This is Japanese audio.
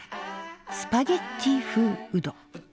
「スパゲッティ風うどん」。